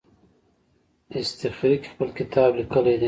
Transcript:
اصطخري خپل کتاب لیکلی دی.